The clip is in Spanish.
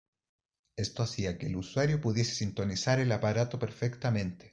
Esto hacía que el usuario pudiese sintonizar el aparato perfectamente.